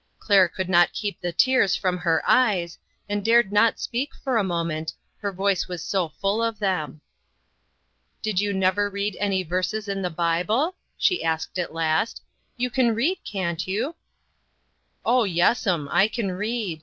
Claire could not keep the tears from her eyes, and dared not speak for a moment, her voice was so full of them. " Did you never read any verses in the Bible ?" she asked at last. " You can read, can't you?" " Oh, yes'm, I can read.